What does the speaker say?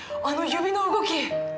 あの指の動き！